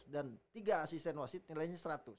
dan tiga asisten wasit nilainya seratus